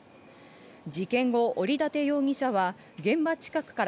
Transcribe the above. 事件後、折館容疑者は現場近くから